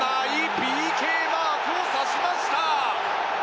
ＰＫマークを指しました。